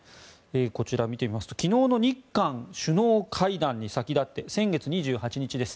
こちら、見てみますと昨日の日韓首脳会談に先立って先月２８日です。